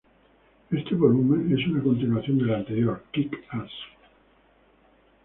Este volumen es una continuación del anterior, Kick Ass.